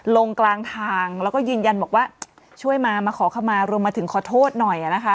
ลงกลางทางแล้วก็ยืนยันบอกว่าช่วยมามาขอขมารวมมาถึงขอโทษหน่อยนะคะ